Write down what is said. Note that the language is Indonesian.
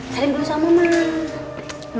karin dulu sama mama